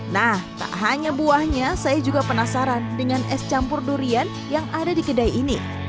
nah tak hanya buahnya saya juga penasaran dengan es campur durian yang ada di kedai ini